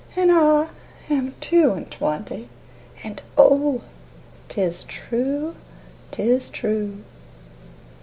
And I am two and twenty, And oh, 'tis true, 'tis true.